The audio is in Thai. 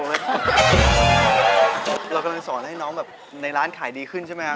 เรากำลังสอนให้น้องแบบในร้านขายดีขึ้นใช่ไหมครับ